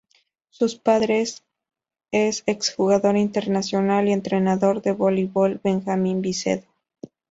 Su padre es el exjugador internacional y entrenador de voleibol Benjamín Vicedo.